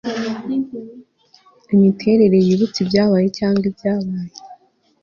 imiterere yibutsa ibyabaye cyangwa ibyabaye